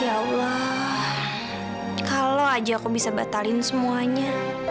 ya allah kalau aja aku bisa batalin semuanya